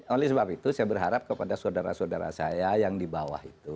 oleh sebab itu saya berharap kepada saudara saudara saya yang di bawah itu